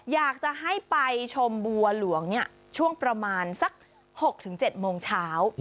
อยากจะให้ไปชมบัวหลวงเนี่ยช่วงประมาณสักหกถึงเจ็ดโมงเช้า